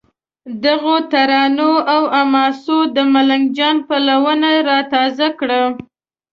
دغو ترانو او حماسو د ملنګ جان پلونه را تازه کړل.